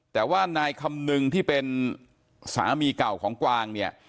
แต่ว่านายคำนึงที่เป็นสามีเก่าของกวางเนี่ย